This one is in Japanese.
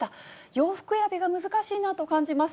洋服選びが難しいなと感じます。